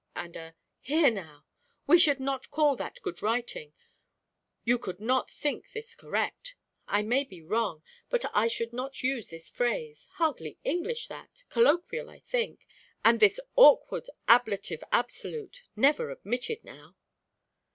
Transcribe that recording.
and a "Here now!" "We should not call that good writing you could not think this correct? I may be wrong, but I should not use this phrase. Hardly English that colloquial, I think; and this awkward ablative absolute never admitted now."